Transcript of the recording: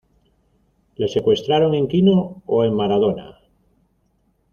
¿Le secuestraron en Quino o en Maradona?